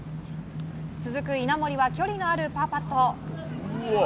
続く稲森は距離のあるパーパット。